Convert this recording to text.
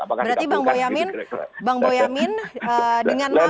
berarti bang boyamin dengan nanti